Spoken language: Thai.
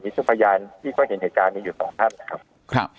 และนี้มันประยานที่ก็เห็นเหตุการณ์มีอยู่ต่อท่างครับ